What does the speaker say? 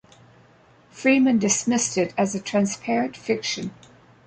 Freeman dismissed it as a transparent fiction.